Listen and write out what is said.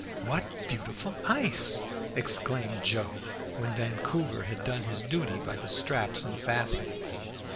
"What beautiful ice!" exclaimed Joe, when Vancouver had done his duty by the straps and fastenings.